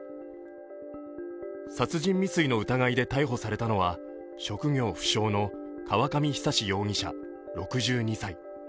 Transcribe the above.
殺人未遂の疑いで逮捕されたのは職業不詳の河上久容疑者６２歳。